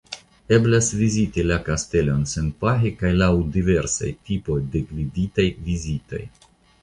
Eblas viziti la kastelon senpage kaj laŭ diversaj tipoj de gviditaj vizitoj.